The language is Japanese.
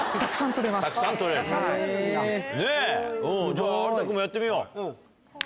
じゃあ有田君もやってみよう。